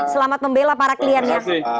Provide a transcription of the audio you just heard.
selamat membela para kliennya